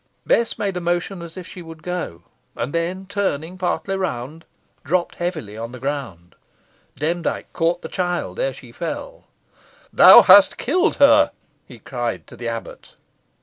Bess made a motion as if she would go, and then turning, partly round, dropped heavily on the ground. Demdike caught the child ere she fell. "Thou hast killed her!" he cried to the abbot.